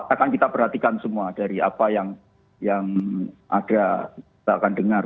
akan kita perhatikan semua dari apa yang ada kita akan dengar